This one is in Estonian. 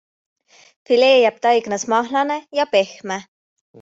Filee jääb taignas mahlane ja pehme.